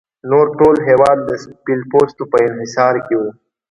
نور ټول هېواد د سپین پوستو په انحصار کې و.